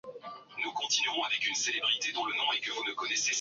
Wanajeshi wa Ukraine wadhibithi miji kadhaa na kurusha Kombora Urusi